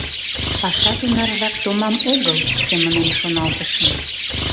«Паша тунаржак томам огыл, — семынем шоналтышым.